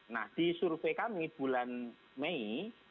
nah di survei kami bulan mei